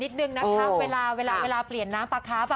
นิดนึงนะคะเวลาเวลาเปลี่ยนน้ำปลาครับ